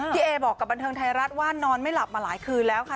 เอบอกกับบันเทิงไทยรัฐว่านอนไม่หลับมาหลายคืนแล้วค่ะ